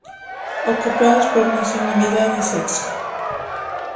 Ocupados por nacionalidad y sexo.